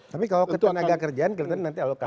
tapi kalau ke tenaga kerjaan nanti alokasi